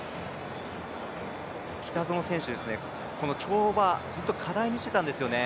北園選手、この跳馬、ずっと課題にしてたんですよね。